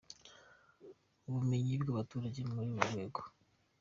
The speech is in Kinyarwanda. ubumenyi bw’abaturage muri urwo rwego.